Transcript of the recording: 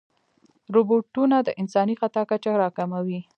روبوټونه د انساني خطا کچه راکموي.